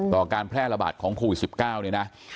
การแพร่ระบาดของโควิด๑๙เนี่ยนะ